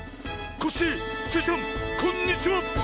コッシースイちゃんこんにちは！